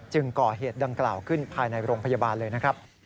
ก่อเหตุดังกล่าวขึ้นภายในโรงพยาบาลเลยนะครับ